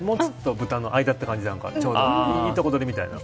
もつと豚の間って感じでちょうどいいとこ取りみたいな。